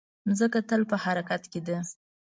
مځکه تل په حرکت کې ده.